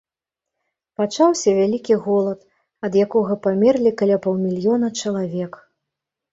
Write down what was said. Пачаўся вялікі голад, ад якога памерлі каля паўмільёна чалавек.